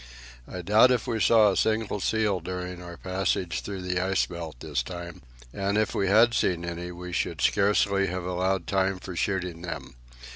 I doubt if we saw a single seal during our passage through the ice belt this time; and if we had seen any, we should scarcely have allowed the time for shooting them.